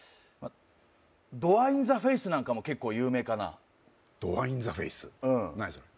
ドア・イン・ザ・フェイスなんかも結構有名かなドア・イン・ザ・フェイス何それ？